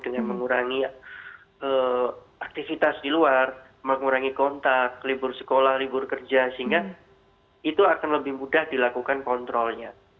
dengan mengurangi aktivitas di luar mengurangi kontak libur sekolah libur kerja sehingga itu akan lebih mudah dilakukan kontrolnya